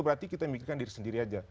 berarti kita mikirkan diri sendiri aja